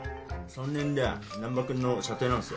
３年で難破君の舎弟なんすよ。